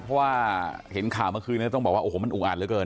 เพราะว่าเห็นข่าวเมื่อคืนนี้ต้องบอกว่าโอ้โหมันอุกอัดเหลือเกิน